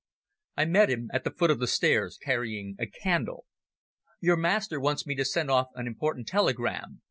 I met him at the foot of the stairs, carrying a candle. "Your master wants me to send off an important telegram.